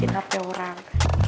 ya bentar doang